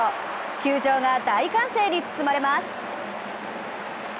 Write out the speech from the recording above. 球場が大歓声に包まれます。